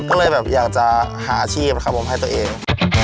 ก็เลยแบบอยากจะหาอาชีพครับผมให้ตัวเอง